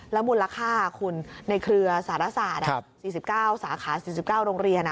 มูลค่าคุณในเครือสารศาสตร์๔๙สาขา๔๙โรงเรียน